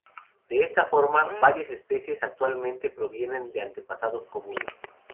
De esta forma, varias especies actuales provienen de antepasados comunes.